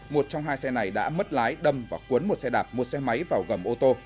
một trong hai xe này đã mất lái đâm và cuốn một xe đạp một xe máy vào gầm ô tô